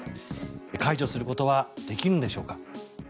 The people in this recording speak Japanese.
解除することはできるんでしょうか。